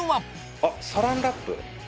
あっサランラップ？